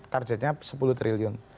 targetnya sepuluh triliun